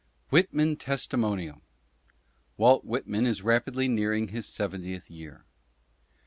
] Pitman ^testimonial. WALT WHITMAN IS RAPIDLY NEARING HIS SEVENTIETH YEAR.